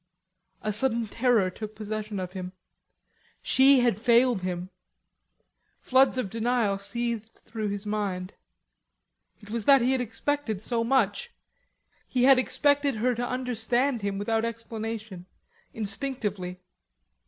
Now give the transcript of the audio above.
A sudden terror took possession of him. She had failed him. Floods of denial seethed through his mind. It was that he had expected so much; he had expected her to understand him without explanation, instinctively.